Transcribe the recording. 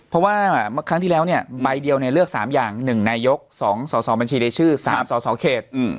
เพราะว่าครั้งที่แล้วเนี่ยใบเดียวเนี่ยเลือกสามอย่างหนึ่งนายกสองส่อส่อบัญชีเรชื่อสามส่อส่อเขต